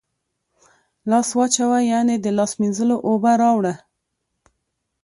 لاس واچوه ، یعنی د لاس مینځلو اوبه راوړه